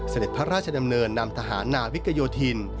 เสด็จพระราชดำเนินนำทหารนาวิกโยธิน